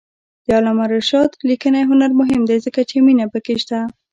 د علامه رشاد لیکنی هنر مهم دی ځکه چې مینه پکې شته.